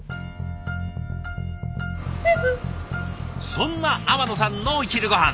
そんな天野さんのお昼ごはん。